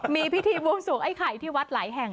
มีพิธีบวงสวงไอ้ไข่ที่วัดหลายแห่ง